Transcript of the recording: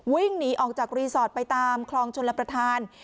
วิ่งหนีออกจากรีสอร์ทไปตามคลองชนรับประทาน